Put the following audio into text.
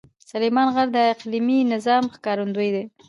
سلیمان غر د اقلیمي نظام ښکارندوی دی.